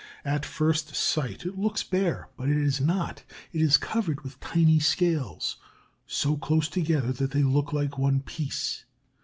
At first sight it looks bare, but it is not: it is covered with tiny scales, so close together that they look like one piece.